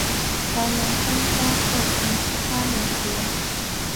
来源专家社群其他连结